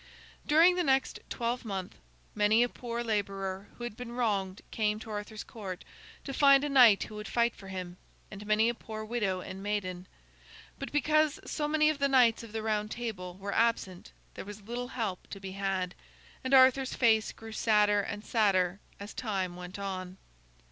During the next twelvemonth many a poor laborer who had been wronged came to Arthur's Court to find a knight who would fight for him, and many a poor widow and maiden. But because so many of the knights of the Round Table were absent there was little help to be had, and Arthur's face grew sadder and sadder as time went on.